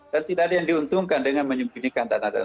dan tidak ada yang diuntungkan dengan menyembunyikan